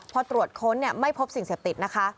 พอตรวจค้นไม่พบสิ่งเสพติดนะคะ